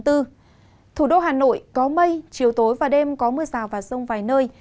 thủ đô hà nội có mây chiều tối và đêm có mưa rào và rông vài nơi